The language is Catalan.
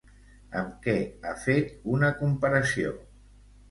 Amb què ha fet una comparació?